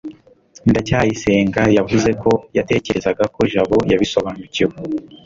ndacyayisenga yavuze ko yatekerezaga ko jabo yabisobanukiwe